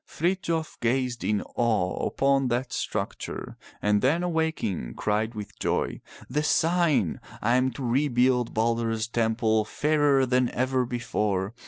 Frithjof gazed in awe upon that structure, and then awaking, cried with joy, The sign! I am to rebuild Balder's temple fairer than ever before.